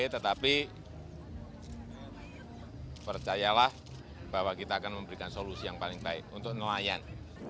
tetapi percayalah bahwa kita akan memberikan solusi yang paling baik untuk nelayan